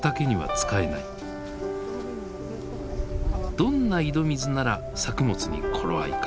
どんな井戸水なら作物に頃合いか。